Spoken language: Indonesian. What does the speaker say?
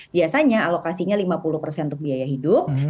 biasanya alokasinya lima puluh untuk biaya hidup